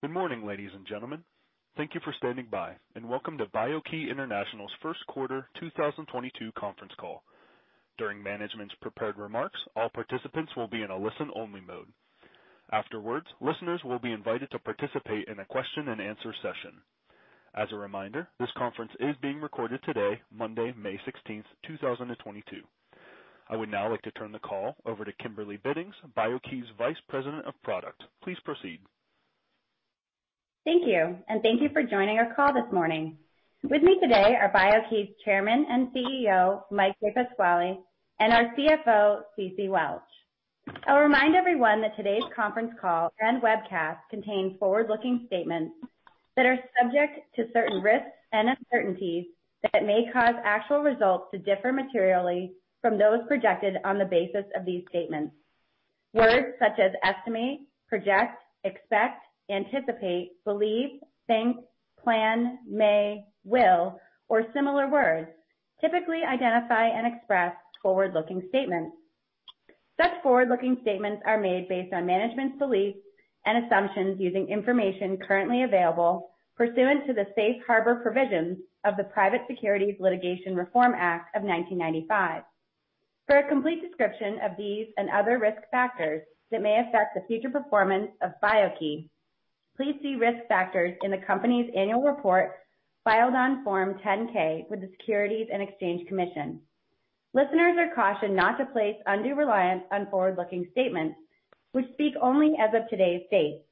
Good morning, ladies and gentlemen. Thank you for standing by, and welcome to BIO-key International's First Quarter 2022 Conference Call. During management's prepared remarks, all participants will be in a listen-only mode. Afterwards, listeners will be invited to participate in a question and answer session. As a reminder, this conference is being recorded today, Monday, May 16, 2022. I would now like to turn the call over to Kimberly Biddings, BIO-key's Vice President of Product. Please proceed. Thank you, and thank you for joining our call this morning. With me today are BIO-key's Chairman and CEO, Mike DePasquale, and our CFO, Ceci Welch. I'll remind everyone that today's conference call and webcast contains forward-looking statements that are subject to certain risks and uncertainties that may cause actual results to differ materially from those projected on the basis of these statements. Words such as estimate, project, expect, anticipate, believe, think, plan, may, will, or similar words typically identify and express forward-looking statements. Such forward-looking statements are made based on management's beliefs and assumptions using information currently available pursuant to the safe harbor provisions of the Private Securities Litigation Reform Act of 1995. For a complete description of these and other risk factors that may affect the future performance of BIO-key, please see risk factors in the company's annual report filed on Form 10-K with the Securities and Exchange Commission. Listeners are cautioned not to place undue reliance on forward-looking statements, which speak only as of today's date.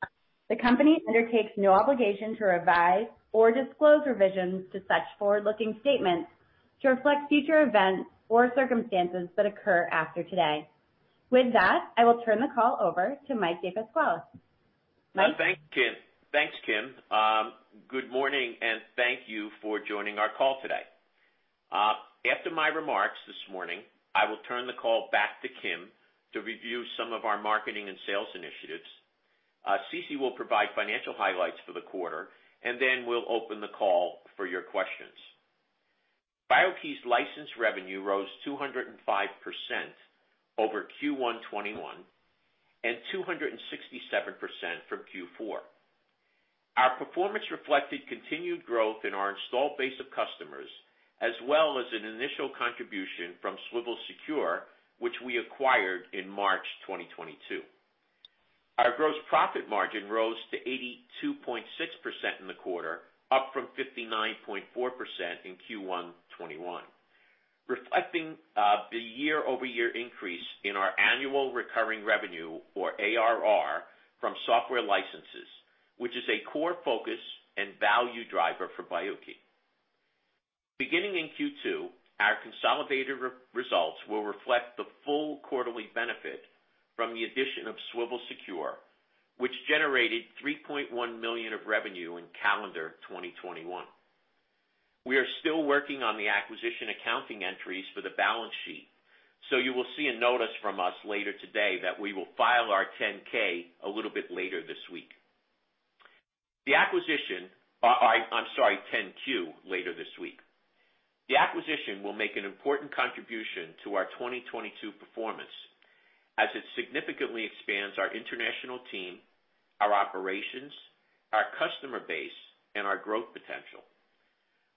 The company undertakes no obligation to revise or disclose revisions to such forward-looking statements to reflect future events or circumstances that occur after today. With that, I will turn the call over to Mike DePasquale. Mike? Thank you, Kim. Thanks, Kim. Good morning, and thank you for joining our call today. After my remarks this morning, I will turn the call back to Kim to review some of our marketing and sales initiatives. Ceci will provide financial highlights for the quarter, and then we'll open the call for your questions. BIO-key's license revenue rose 205% over Q1 2021 and 267% from Q4. Our performance reflected continued growth in our installed base of customers as well as an initial contribution from Swivel Secure, which we acquired in March 2022. Our gross profit margin rose to 82.6% in the quarter, up from 59.4% in Q1 2021, reflecting the year-over-year increase in our annual recurring revenue or ARR from software licenses, which is a core focus and value driver for BIO-key. Beginning in Q2, our consolidated results will reflect the full quarterly benefit from the addition of Swivel Secure, which generated $3.1 million of revenue in calendar 2021. We are still working on the acquisition accounting entries for the balance sheet, so you will see a notice from us later today that we will file our 10-Q a little bit later this week. The acquisition will make an important contribution to our 2022 performance as it significantly expands our international team, our operations, our customer base, and our growth potential.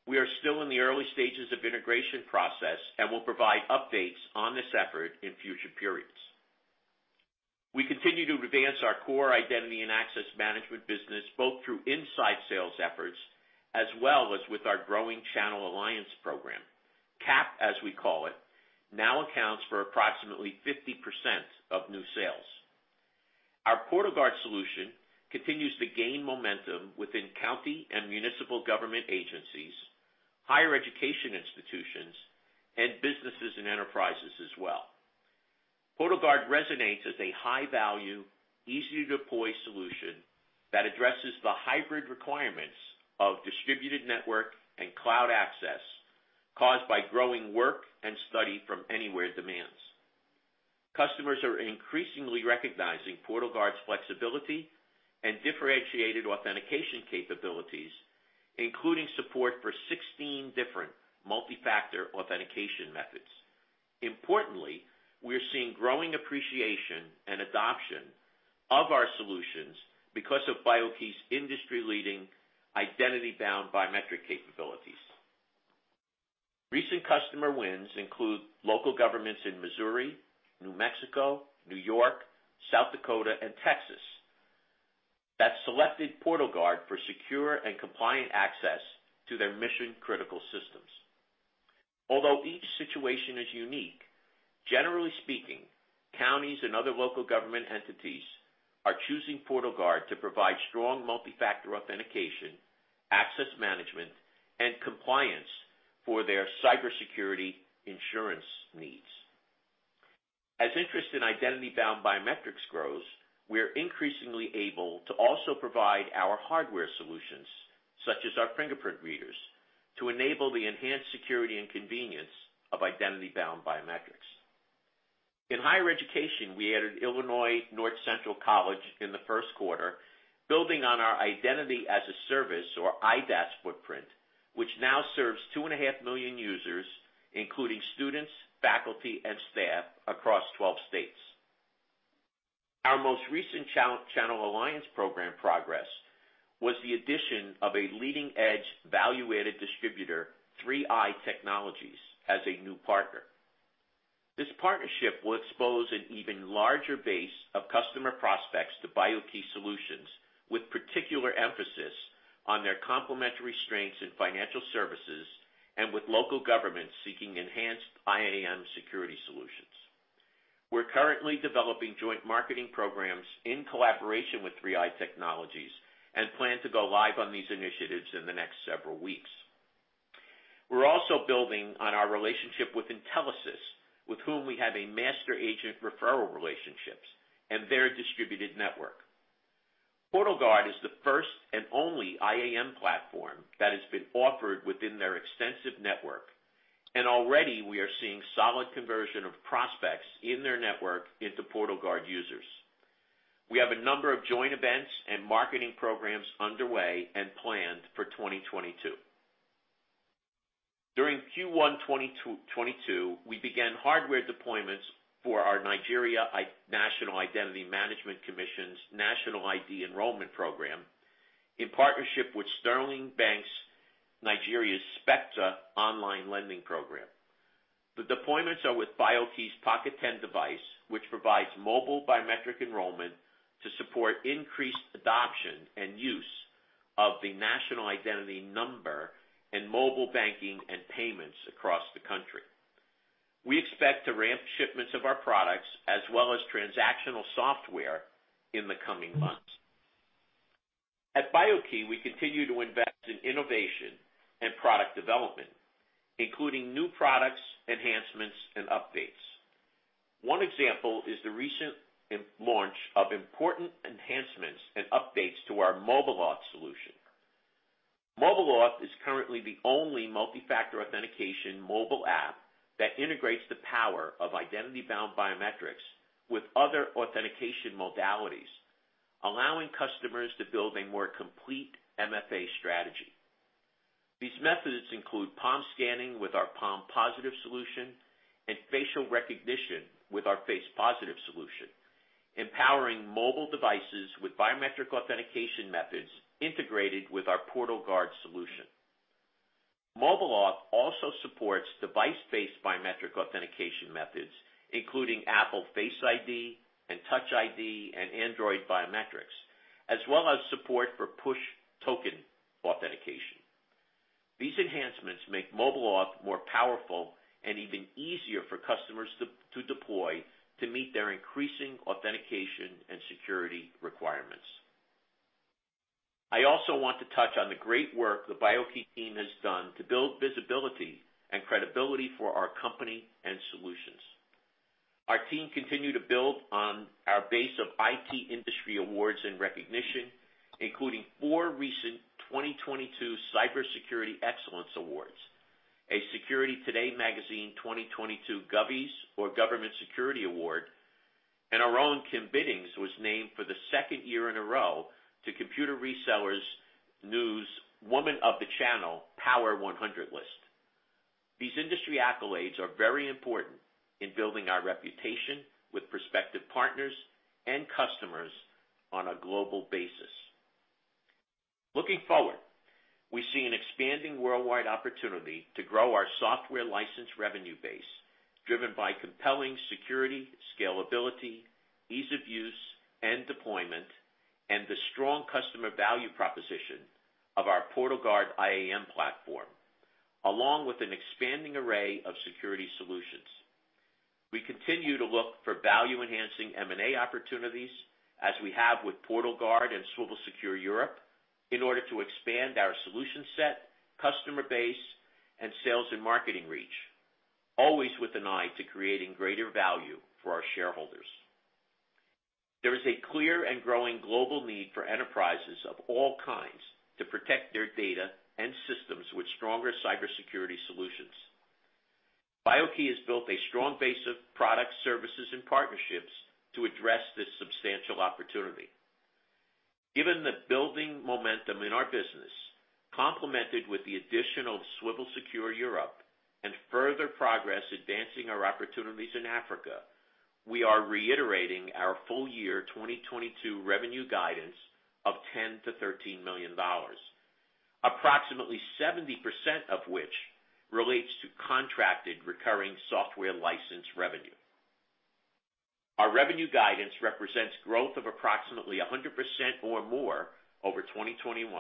We are still in the early stages of integration process and will provide updates on this effort in future periods. We continue to advance our core identity and access management business, both through inside sales efforts as well as with our growing channel alliance program. CAP, as we call it, now accounts for approximately 50% of new sales. Our PortalGuard solution continues to gain momentum within county and municipal government agencies, higher education institutions, and businesses and enterprises as well. PortalGuard resonates as a high-value, easy-to-deploy solution that addresses the hybrid requirements of distributed network and cloud access caused by growing work and study from anywhere demands. Customers are increasingly recognizing PortalGuard's flexibility and differentiated authentication capabilities, including support for 16 different multi-factor authentication methods. Importantly, we are seeing growing appreciation and adoption of our solutions because of BIO-key's industry-leading identity-bound biometric capabilities. Recent customer wins include local governments in Missouri, New Mexico, New York, South Dakota, and Texas that selected PortalGuard for secure and compliant access to their mission-critical systems. Although each situation is unique, generally speaking, counties and other local government entities are choosing PortalGuard to provide strong multi-factor authentication, access management, and compliance for their cybersecurity insurance needs. As interest in identity-bound biometrics grows, we are increasingly able to also provide our hardware solutions, such as our fingerprint readers, to enable the enhanced security and convenience of identity-bound biometrics. In higher education, we added North Central College in Illinois in the first quarter, building on our identity as a service or IDaaS footprint, which now serves 2.5 million users, including students, faculty, and staff across 12 states. Our most recent channel alliance program progress was the addition of a leading-edge value-added distributor, 3i Technologies, as a new partner. This partnership will expose an even larger base of customer prospects to BIO-key solutions, with particular emphasis on their complementary strengths in financial services and with local governments seeking enhanced IAM security solutions. We're currently developing joint marketing programs in collaboration with 3i Technologies and plan to go live on these initiatives in the next several weeks. We're also building on our relationship with Intelisys, with whom we have a master agent referral relationships and their distributed network. PortalGuard is the first and only IAM platform that has been offered within their extensive network, and already we are seeing solid conversion of prospects in their network into PortalGuard users. We have a number of joint events and marketing programs underway and planned for 2022. During Q1 2022, we began hardware deployments for our Nigerian National Identity Management Commission's national ID enrollment program in partnership with Sterling Bank Nigeria's Specta online lending program. The deployments are with BIO-key's Pocket10 device, which provides mobile biometric enrollment to support increased adoption and use of the national identity number in mobile banking and payments across the country. We expect to ramp shipments of our products as well as transactional software in the coming months. At BIO-key, we continue to invest in innovation and product development, including new products, enhancements, and updates. One example is the recent launch of important enhancements and updates to our MobileAuth solution. MobileAuth is currently the only multi-factor authentication mobile app that integrates the power of identity-bound biometrics with other authentication modalities, allowing customers to build a more complete MFA strategy. These methods include palm scanning with our PalmPositive solution and facial recognition with our FacePositive solution, empowering mobile devices with biometric authentication methods integrated with our PortalGuard solution. MobileAuth also supports device-based biometric authentication methods, including Apple Face ID and Touch ID and Android biometrics, as well as support for push token authentication. These enhancements make MobileAuth more powerful and even easier for customers to deploy to meet their increasing authentication and security requirements. I also want to touch on the great work the BIO-key team has done to build visibility and credibility for our company and solutions. Our team continued to build on our base of IT industry awards and recognition, including four recent 2022 Cybersecurity Excellence Awards, a Security Today Magazine 2022 Govies Government Security Awards, and our own Kim Biddings was named for the second year in a row to CRN Women of the Channel Power 100 list. These industry accolades are very important in building our reputation with prospective partners and customers on a global basis. Looking forward, we see an expanding worldwide opportunity to grow our software license revenue base driven by compelling security, scalability, ease of use and deployment, and the strong customer value proposition of our PortalGuard IAM platform, along with an expanding array of security solutions. We continue to look for value-enhancing M&A opportunities as we have with PortalGuard and Swivel Secure Europe, in order to expand our solution set, customer base, and sales and marketing reach, always with an eye to creating greater value for our shareholders. There is a clear and growing global need for enterprises of all kinds to protect their data and systems with stronger cybersecurity solutions. BIO-key has built a strong base of products, services, and partnerships to address this substantial opportunity. Given the building momentum in our business, complemented with the additional Swivel Secure Europe and further progress advancing our opportunities in Africa, we are reiterating our full year 2022 revenue guidance of $10-$13 million, approximately 70% of which relates to contracted recurring software license revenue. Our revenue guidance represents growth of approximately 100% or more over 2021,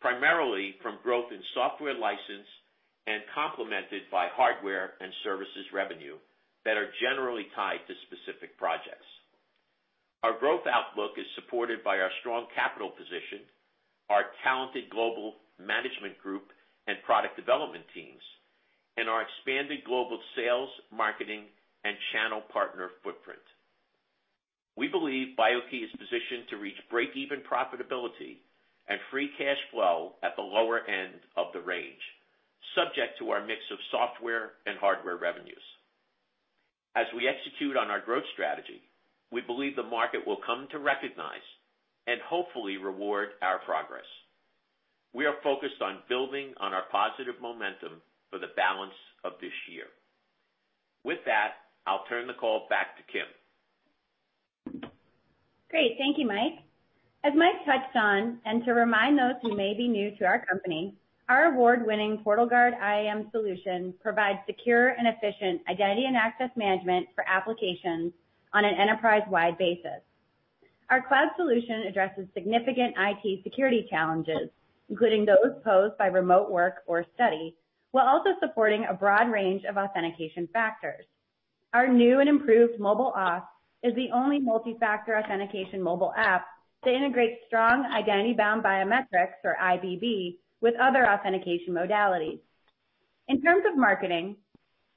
primarily from growth in software license and complemented by hardware and services revenue that are generally tied to specific projects. Our growth outlook is supported by our strong capital position, our talented global management group and product development teams, and our expanded global sales, marketing, and channel partner footprint. We believe BIO-key is positioned to reach break-even profitability and free cash flow at the lower end of the range, subject to our mix of software and hardware revenues. As we execute on our growth strategy, we believe the market will come to recognize and hopefully reward our progress. We are focused on building on our positive momentum for the balance of this year. With that, I'll turn the call back to Kim. Great. Thank you, Mike. As Mike touched on, and to remind those who may be new to our company, our award-winning PortalGuard IAM solution provides secure and efficient identity and access management for applications on an enterprise-wide basis. Our cloud solution addresses significant IT security challenges, including those posed by remote work or study, while also supporting a broad range of authentication factors. Our new and improved MobileAuth is the only Multi-Factor Authentication mobile app that integrates strong Identity-Bound Biometrics or IBB with other authentication modalities. In terms of marketing,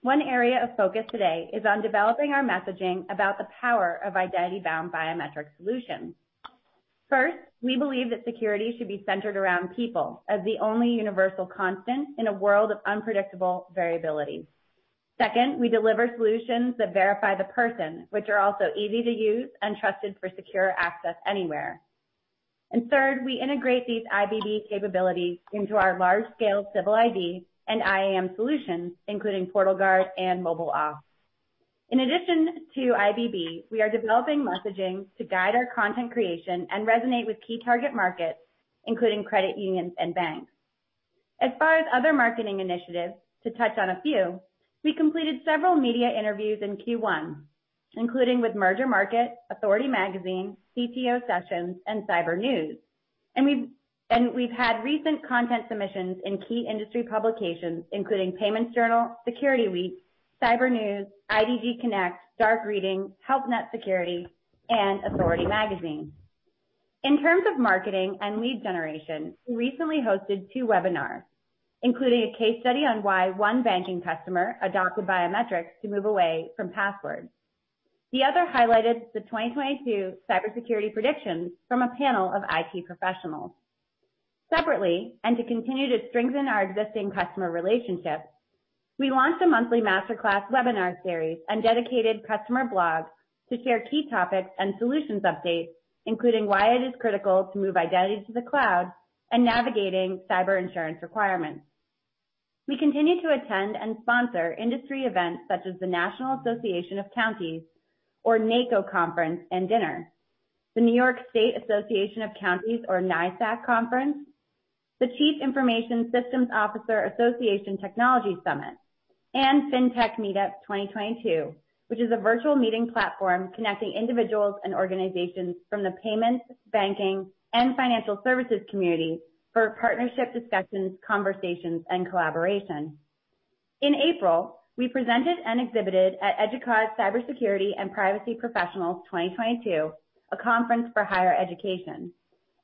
one area of focus today is on developing our messaging about the power of Identity-Bound Biometric solutions. First, we believe that security should be centered around people as the only universal constant in a world of unpredictable variability. Second, we deliver solutions that verify the person, which are also easy to use and trusted for secure access anywhere. Third, we integrate these IBB capabilities into our large-scale Civil ID and IAM solutions, including PortalGuard and MobileAuth. In addition to IBB, we are developing messaging to guide our content creation and resonate with key target markets, including credit unions and banks. As far as other marketing initiatives, to touch on a few, we completed several media interviews in Q1, including with Mergermarket, Authority Magazine, CTO Sessions, and CyberNews. We've had recent content submissions in key industry publications including PaymentsJournal, SecurityWeek, CyberNews, IDG Connect, Dark Reading, Help Net Security, and Authority Magazine. In terms of marketing and lead generation, we recently hosted two webinars, including a case study on why one banking customer adopted biometrics to move away from passwords. The other highlighted the 2022 cybersecurity predictions from a panel of IT professionals. Separately, to continue to strengthen our existing customer relationships, we launched a monthly master class webinar series and dedicated customer blog to share key topics and solutions updates, including why it is critical to move identities to the cloud and navigating cyber insurance requirements. We continue to attend and sponsor industry events such as the National Association of Counties or NACo Conference and Dinner, the New York State Association of Counties or NYSAC Conference, the Chief Information Systems Officers Association Technology Summit, and Fintech Meetup 2022, which is a virtual meeting platform connecting individuals and organizations from the payments, banking, and financial services community for partnership discussions, conversations, and collaboration. In April, we presented and exhibited at Educause Cybersecurity and Privacy Professionals 2022, a conference for higher education,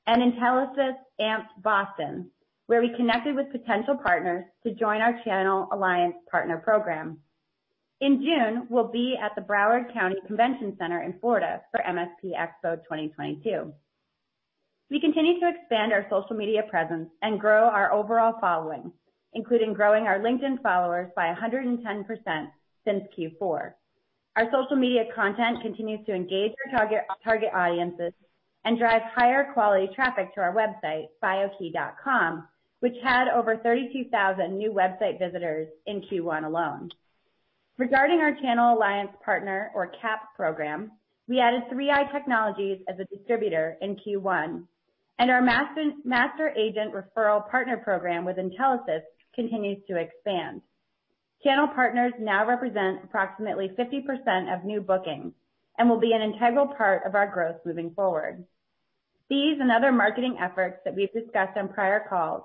and Intelisys AMP Boston, where we connected with potential partners to join our Channel Alliance Partner Program. In June, we'll be at the Broward County Convention Center in Florida for MSP Expo 2022. We continue to expand our social media presence and grow our overall following, including growing our LinkedIn followers by 110% since Q4. Our social media content continues to engage our target audiences and drive higher quality traffic to our website, bio-key.com, which had over 32,000 new website visitors in Q1 alone. Regarding our Channel Alliance Partner or CAP program, we added 3i Technologies as a distributor in Q1, and our master agent referral partner program with Intelisys continues to expand. Channel partners now represent approximately 50% of new bookings and will be an integral part of our growth moving forward. These and other marketing efforts that we've discussed on prior calls,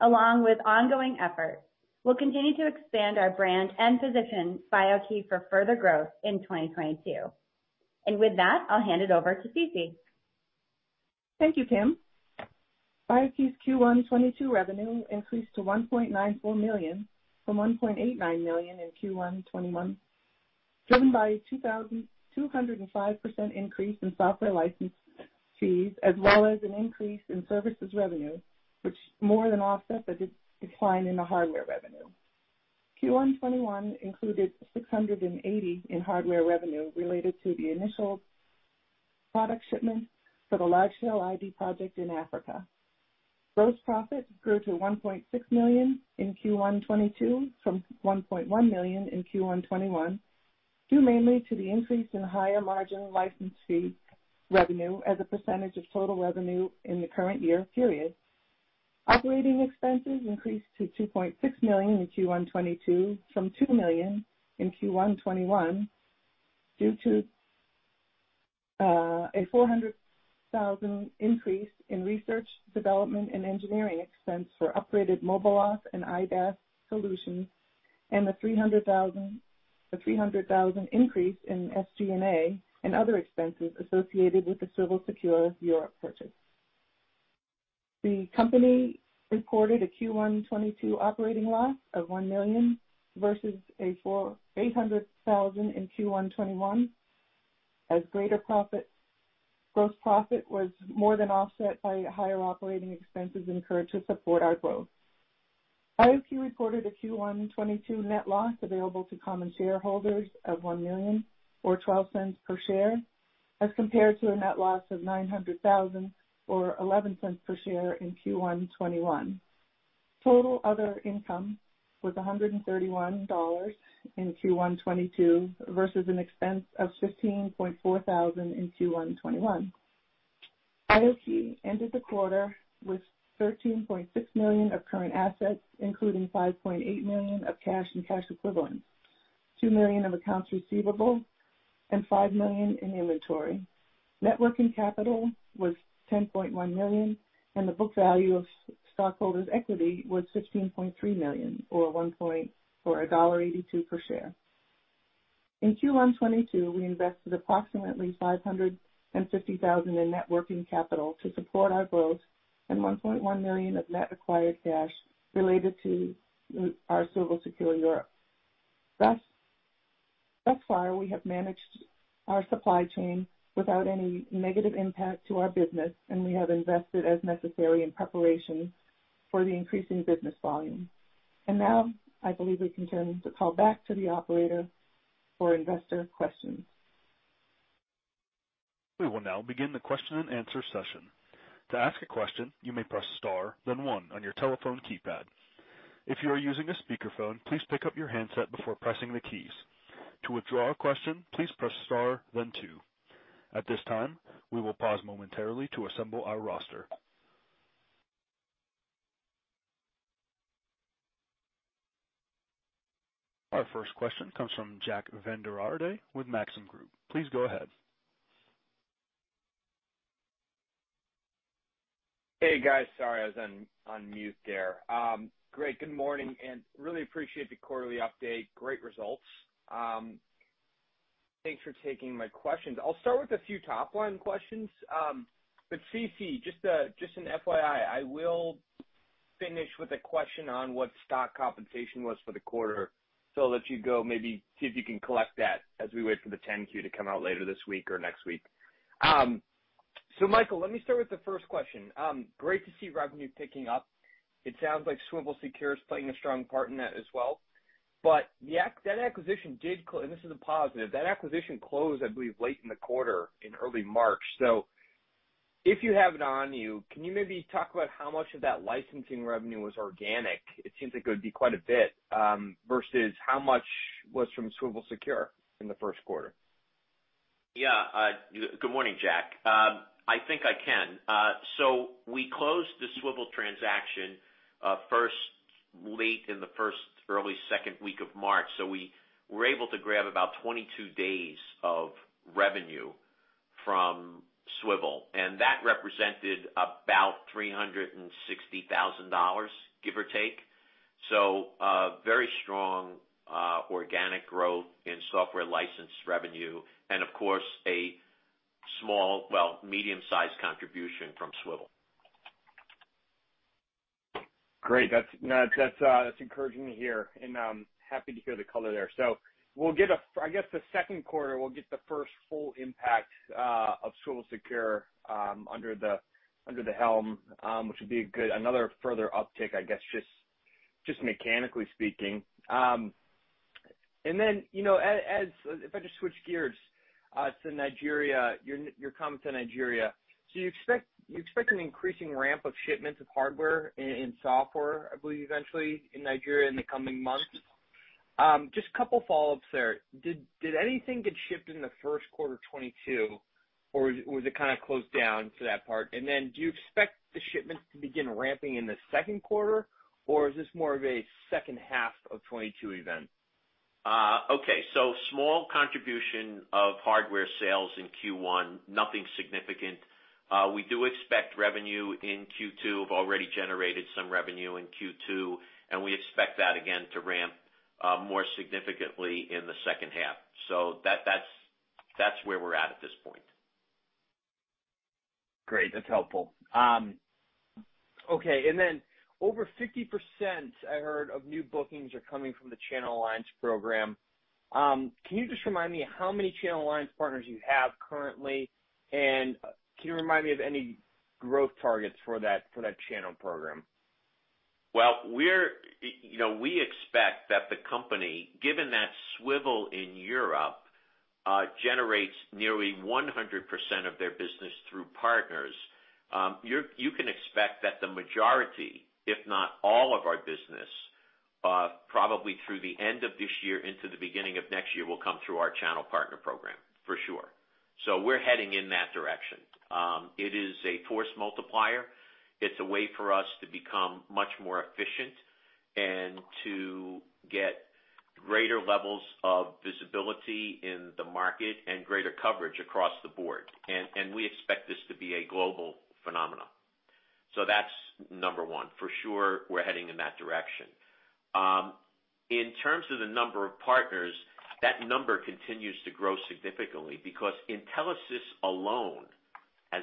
along with ongoing efforts, will continue to expand our brand and position BIO-key for further growth in 2022. With that, I'll hand it over to Ceci Welch. Thank you, Kim. BIO-key's Q1 2022 revenue increased to $1.94 million from $1.89 million in Q1 2021, driven by 205% increase in software license fees as well as an increase in services revenue, which more than offset the decline in the hardware revenue. Q1 2021 included $680,000 in hardware revenue related to the initial product shipment for the large-scale ID project in Africa. Gross profit grew to $1.6 million in Q1 2022 from $1.1 million in Q1 2021, due mainly to the increase in higher margin license fee revenue as a percentage of total revenue in the current year period. Operating expenses increased to $2.6 million in Q1 2022 from $2 million in Q1 2021 due to a $400,000 increase in research, development, and engineering expense for upgraded MobileAuth and IDaaS solutions and a $300,000 increase in SG&A and other expenses associated with the Swivel Secure Europe purchase. The company reported a Q1 2022 operating loss of $1 million versus $800,000 in Q1 2021, as greater gross profit was more than offset by higher operating expenses incurred to support our growth. BIO-key reported a Q1 2022 net loss available to common shareholders of $1 million or $0.12 per share, as compared to a net loss of $900,000 or $0.11 per share in Q1 2021. Total other income was $131 in Q1 2022 versus an expense of $15,400 in Q1 2021. BIO-key ended the quarter with $13.6 million of current assets, including $5.8 million of cash and cash equivalents, $2 million of accounts receivable, and $5 million in inventory. Net working capital was $10.1 million, and the book value of stockholders' equity was $15.3 million or $1.82 per share. In Q1 2022, we invested approximately $550,000 in net working capital to support our growth and $1.1 million of net acquired cash related to our Swivel Secure Europe. Thus far, we have managed our supply chain without any negative impact to our business, and we have invested as necessary in preparation for the increasing business volume. Now, I believe we can turn the call back to the operator for investor questions. We will now begin the question and answer session. To ask a question, you may press star then one on your telephone keypad. If you are using a speakerphone, please pick up your handset before pressing the keys. To withdraw a question, please press star then two. At this time, we will pause momentarily to assemble our roster. Our first question comes from Jack Vander Aarde with Maxim Group. Please go ahead. Hey, guys, sorry, I was on mute there. Great, good morning, really appreciate the quarterly update. Great results. Thanks for taking my questions. I'll start with a few top-line questions. Cece, just an FYI, I will finish with a question on what stock compensation was for the quarter. I'll let you go, maybe see if you can collect that as we wait for the 10-Q to come out later this week or next week. Mike, let me start with the first question. Great to see revenue ticking up. It sounds like Swivel Secure is playing a strong part in that as well. That acquisition closed, and this is a positive, I believe, late in the quarter in early March. If you have it on you, can you maybe talk about how much of that licensing revenue was organic? It seems like it would be quite a bit versus how much was from Swivel Secure in the first quarter. Yeah. Good morning, Jack. I think I can. We closed the Swivel transaction late in the first, early second week of March. We were able to grab about 22 days of revenue from Swivel, and that represented about $360,000, give or take. Very strong organic growth in software license revenue and of course, a small, well, medium-sized contribution from Swivel. Great. That's encouraging to hear and happy to hear the color there. We'll get, I guess, the second quarter, we'll get the first full impact of Swivel Secure under the helm, which would be a good another further uptick, I guess, just mechanically speaking. Then, you know, as if I just switch gears to Nigeria, your comments on Nigeria. You expect an increasing ramp of shipments of hardware and software, I believe, eventually in Nigeria in the coming months. Just a couple follow-ups there. Did anything get shipped in the first quarter 2022 or was it kinda closed down for that part? Do you expect the shipments to begin ramping in the second quarter, or is this more of a second half of 2022 event? Okay. Small contribution of hardware sales in Q1. Nothing significant. We do expect revenue in Q2. We've already generated some revenue in Q2, and we expect that again to ramp more significantly in the second half. That's where we're at this point. Great. That's helpful. Okay. Over 50%, I heard, of new bookings are coming from the Channel Alliance Program. Can you just remind me how many Channel Alliance partners you have currently? Can you remind me of any growth targets for that channel program? Well, you know, we expect that the company, given that Swivel Secure Europe generates nearly 100% of their business through partners, you can expect that the majority, if not all of our business, probably through the end of this year into the beginning of next year, will come through our channel partner program for sure. We're heading in that direction. It is a force multiplier. It's a way for us to become much more efficient and to get greater levels of visibility in the market and greater coverage across the board. We expect this to be a global phenomenon. That's number one. For sure, we're heading in that direction. In terms of the number of partners, that number continues to grow significantly because Intelisys alone has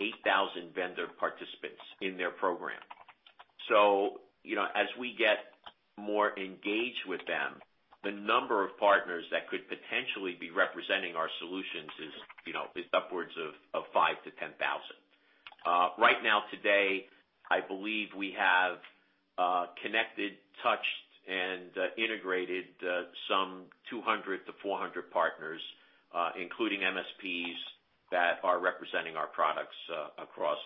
8,000 vendor participants in their program. You know, as we get more engaged with them. The number of partners that could potentially be representing our solutions is, you know, upwards of 5,000-10,000. Right now, today, I believe we have connected, touched and integrated some 200-400 partners, including MSPs that are representing our products across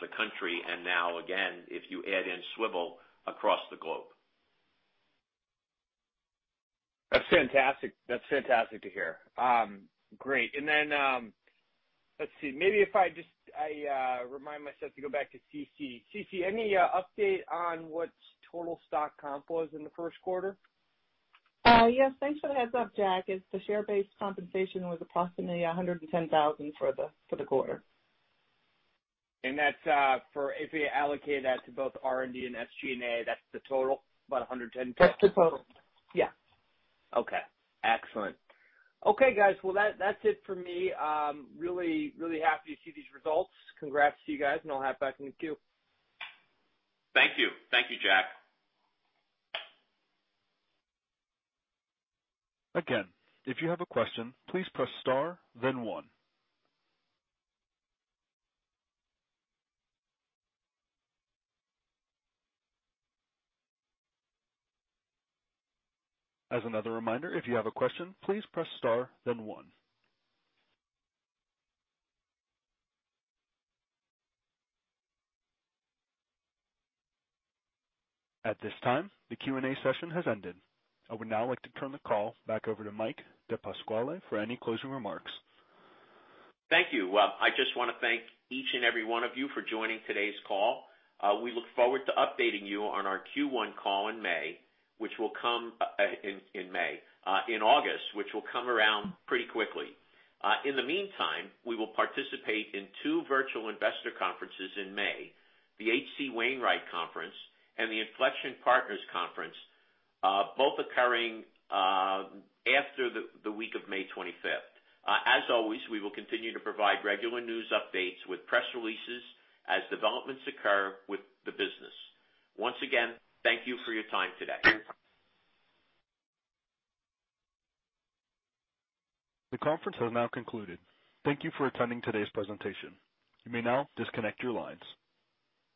the country. Now again, if you add in Swivel across the globe. That's fantastic, that's fantastic to hear. Great. Let's see. Maybe I remind myself to go back to Ceci. Ceci, any update on what total stock comp was in the first quarter? Yes, thanks for the heads up, Jack. It's the share-based compensation was approximately $110,000 for the quarter. That's for if we allocate that to both R&D and SG&A, that's the total, about $110,000? That's the total, yeah. Okay, excellent. Okay, guys. Well, that's it for me. Really happy to see these results. Congrats to you guys, and I'll hop back in the queue. Thank you. Thank you, Jack. Again, if you have a question, please press star, then one. As another reminder, if you have a question, please press star, then one. At this time, the Q&A session has ended. I would now like to turn the call back over to Mike DePasquale for any closing remarks. Thank you. Well, I just wanna thank each and every one of you for joining today's call. We look forward to updating you on our Q1 call in May, which will come in August, which will come around pretty quickly. In the meantime, we will participate in two virtual investor conferences in May, the H.C. Wainwright Conference and the Inflection Partners Conference, both occurring after the week of May 25. As always, we will continue to provide regular news updates with press releases as developments occur with the business. Once again, thank you for your time today. The conference has now concluded. Thank you for attending today's presentation. You may now disconnect your lines.